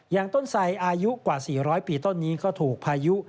ต้นไสอายุกว่า๔๐๐ปีต้นนี้ก็ถูกพายุ